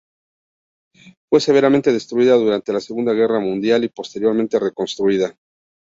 Fue severamente destruida durante la Segunda Guerra Mundial y posteriormente reconstruida.